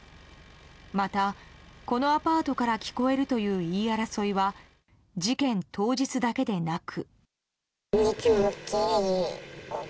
また、このアパートから聞こえるという言い争いは事件当日だけでなく。